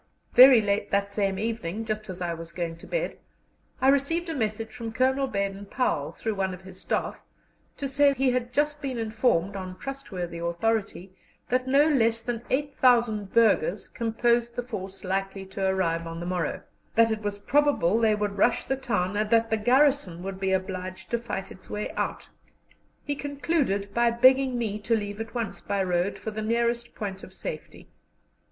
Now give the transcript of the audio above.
Very late that same evening, just as I was going to bed, I received a message from Colonel Baden Powell, through one of his Staff, to say he had just been informed, on trustworthy authority, that no less than 8,000 burghers composed the force likely to arrive on the morrow, that it was probable they would rush the town, and that the garrison would be obliged to fight its way out. He concluded by begging me to leave at once by road for the nearest point of safety.